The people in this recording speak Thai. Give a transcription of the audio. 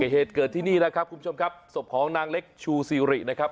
เหตุเกิดที่นี่นะครับคุณผู้ชมครับศพของนางเล็กชูซีรินะครับ